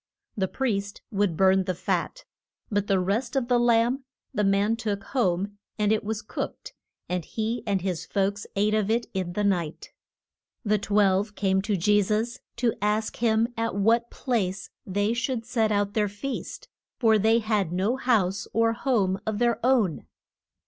The priest would burn the fat, but the rest of the lamb the man took home, and it was cooked, and he and his folks ate of it in the night. The twelve came to Je sus to ask him at what place they should set out their feast. For they had no house or home of their own.